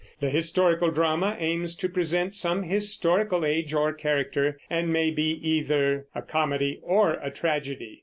The historical drama aims to present some historical age or character, and may be either a comedy or a tragedy.